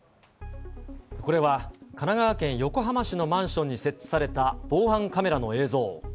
これは、神奈川県横浜市のマンションに設置された防犯カメラの映像。